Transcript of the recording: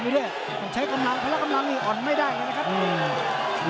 เด็กเกียงไกร